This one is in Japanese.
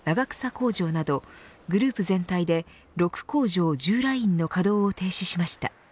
工場などグループ全体で６工場１０ラインの稼働を停止しました。